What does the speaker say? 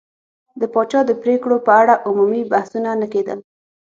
د پاچا د پرېکړو په اړه عمومي بحثونه نه کېدل.